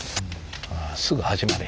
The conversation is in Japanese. あすぐ始まる。